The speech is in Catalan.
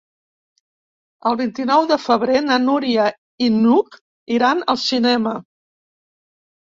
El vint-i-nou de febrer na Núria i n'Hug iran al cinema.